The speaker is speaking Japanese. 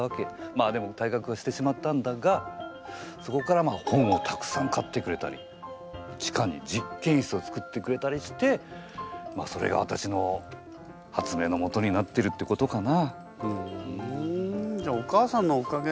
まあでも退学はしてしまったんだがそこから本をたくさん買ってくれたり地下に実験室をつくってくれたりしてまあそれがわたしの発明のもとになってるってことかな。